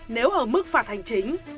nếu ở mức phạt hành chính